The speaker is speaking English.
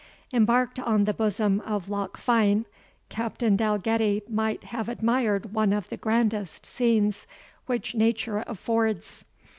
Embarked on the bosom of Loch Fine, Captain Dalgetty might have admired one of the grandest scenes which nature affords.